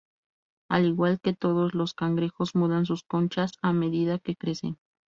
Al igual que todos los cangrejos, mudan sus conchas a medida que crecen.